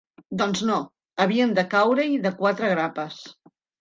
Doncs no, havien de caure-hi de quatre grapes!